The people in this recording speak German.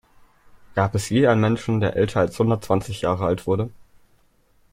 Gab es je einen Menschen, der älter als hundertzwanzig Jahre alt wurde?